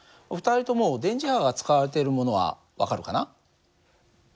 ２人とも電磁波が使われてるものは分かるかな？